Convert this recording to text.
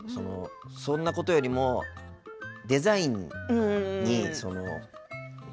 そんなことよりも、デザインに魅力を感じて。